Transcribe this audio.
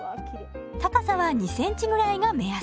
高さは２センチぐらいが目安。